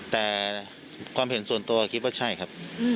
แต่ความเห็นส่วนตัวคิดว่าใช่ครับ